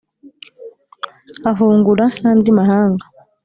ahungura n'andi mahanga